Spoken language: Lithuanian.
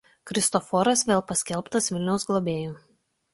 Kristoforas vėl paskelbtas Vilniaus globėju.